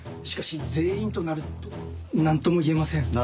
しかし全員となると何とも言えません。